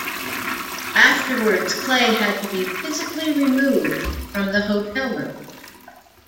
Afterwards Clay had to be physically removed from the hotel room.